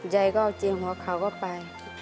ยายก็เอาจริงหัวเข่าก็ไป